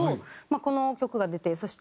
この曲が出てそして